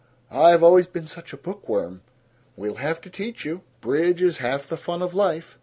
"I've always been such a book worm." "We'll have to teach you. Bridge is half the fun of life."